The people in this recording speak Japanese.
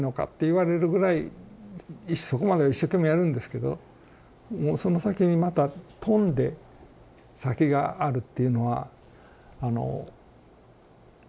そこまでは一生懸命やるんですけどもうその先にまた飛んで先があるっていうのはあのいいような悪いような。